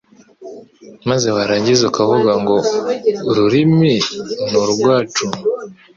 maze warangiza ukavuga ngo ururimi nurwacu